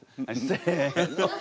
せの。